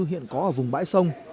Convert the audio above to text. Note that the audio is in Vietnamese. hiện có ở vùng bãi sông